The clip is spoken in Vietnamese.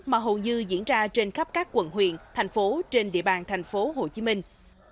mà hầu như diễn ra trên khắp các quận huyện thành phố trên địa bàn thành phố hồ chí minh